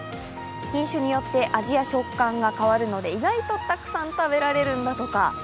品種によって味や食感が変わるので意外とたくさん食べられるんだとか。